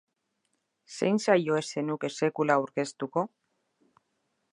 Zein saio ez zenuke sekula aurkeztuko?